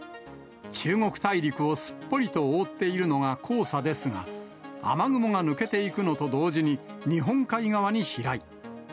中国大陸をすっぽりと覆っているのが黄砂ですが、雨雲が抜けていくのと同時に日本海側に飛来。